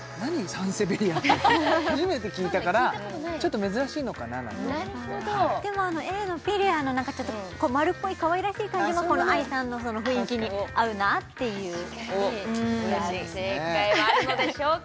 サンセベリアって初めて聞いたからちょっと珍しいのかななんて思ってＡのピレアの丸っぽいかわいらしい感じがこの愛さんの雰囲気に合うなっていうおっうれしい正解はあるのでしょうか？